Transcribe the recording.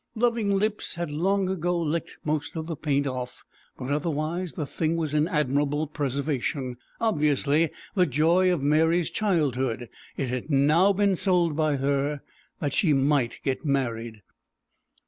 Loving lips had long ago licked most of the paint off, but otherwise the thing was in admirable preservation; obviously the joy of Mary's childhood, it had now been sold by her that she might get married.